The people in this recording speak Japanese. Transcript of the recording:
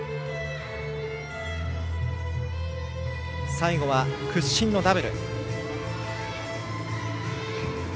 最後は屈身のダブル。